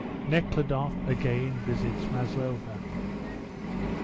NEKHLUDOFF AGAIN VISITS MASLOVA.